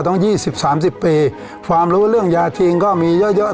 ต้อง๒๐๓๐ปีความรู้เรื่องยาเทรงก็มีเยอะ